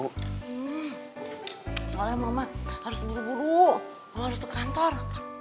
soalnya mama harus buru buru harus ke kantor